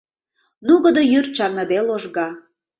Нугыдо йӱр чарныде ложга.